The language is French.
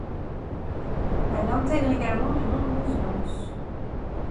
Elle intègre également de nombreuses danses.